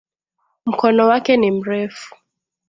Mkono wake ni mrefu